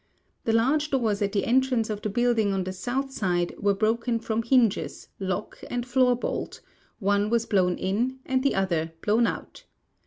The large doors at the entrance of the building on the south side were broken from hinges, lock, and floor bolt; one was blown in and the other blown out.